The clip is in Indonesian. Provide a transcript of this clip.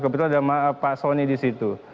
kebetulan ada pak soni di situ